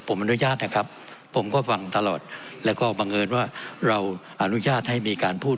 ผมอนุญาตนะครับผมก็ฟังตลอดแล้วก็บังเอิญว่าเราอนุญาตให้มีการพูด